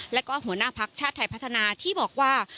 แล้วก็หัวหน้าภักดิ์ชาติไทยพัฒนาที่บอกว่า